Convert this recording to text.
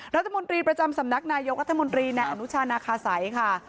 รัฐมนตรีประจำสำนักนายกรัฐมนตรีในอนุชานาคาสัยค่ะ